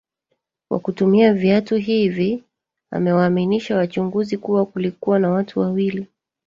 Kwa kutumia viatu hivi amewaaminisha wachunguzi kuwa kulikuwa na watu wawili